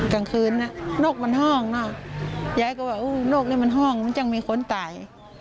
กลางคืนหนกห้องเนาะงั้บว่าหนูนี้มันห้องจังมีคนตาย